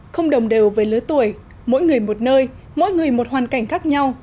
không đồng đều với lứa tuổi mỗi người một nơi mỗi người một hoàn cảnh khác nhau